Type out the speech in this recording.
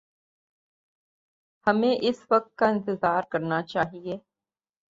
ہمیں اس وقت کا انتظار کرنا چاہیے۔